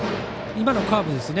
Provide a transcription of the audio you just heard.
今のカーブ